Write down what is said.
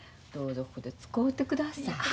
どうぞここで使うてください。